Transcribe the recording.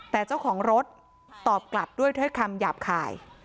แต่เจ้าของรถตอบกลับด้วยถ้อยคำหยาบคาย